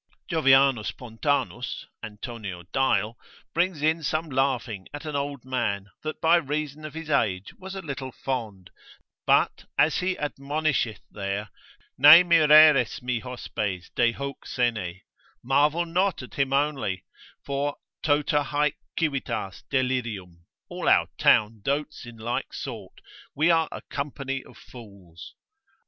Jovianus Pontanus, Antonio Dial, brings in some laughing at an old man, that by reason of his age was a little fond, but as he admonisheth there, Ne mireris mi hospes de hoc sene, marvel not at him only, for tota haec civitas delirium, all our town dotes in like sort, we are a company of fools.